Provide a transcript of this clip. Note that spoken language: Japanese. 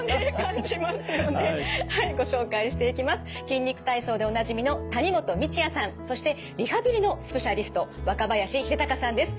「筋肉体操」でおなじみの谷本道哉さんそしてリハビリのスペシャリスト若林秀隆さんです。